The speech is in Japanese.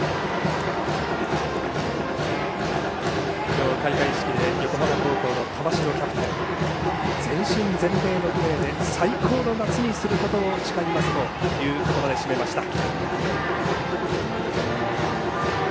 今日、開会式で横浜高校の玉城キャプテン全身全霊のプレーで最高の夏にすることを誓いますという言葉で締めました。